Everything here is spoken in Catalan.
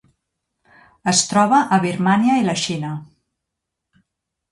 Es troba a Birmània i la Xina.